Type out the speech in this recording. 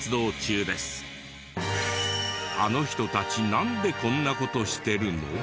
あの人たちなんでこんな事してるの？